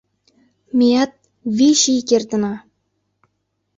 — Меат... вич ий кертына!